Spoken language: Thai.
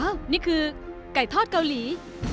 นี่คือไก่ทอดเกาหลี